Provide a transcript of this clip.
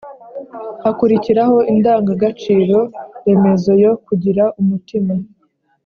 hakurikiraho indangagaciro remezo yo «kugira umutima». i